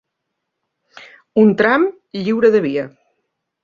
Un tram lliure de via.